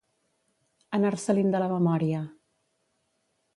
Anar-se-li'n de la memòria.